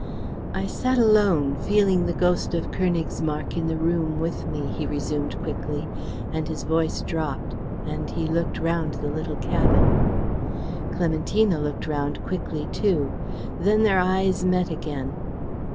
"I sat alone, feeling the ghost of Königsmarck in the room with me," he resumed quickly, and his voice dropped, and he looked round the little cabin. Clementina looked round quickly too. Then their eyes met again.